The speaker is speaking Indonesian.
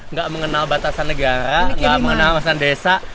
nggak mengenal batasan negara nggak mengenal batasan desa